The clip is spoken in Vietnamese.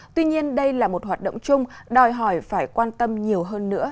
tuy nhiên đây là một hoạt động chung đòi hỏi phải quan tâm nhiều hơn nữa